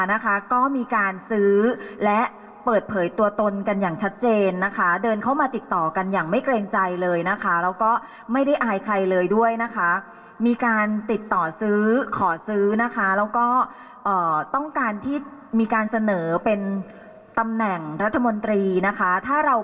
แหม่งสูงมากขึ้นเท่านั้นนะคะ